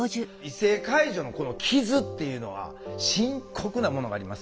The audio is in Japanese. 異性介助のこの傷っていうのは深刻なものがありますね。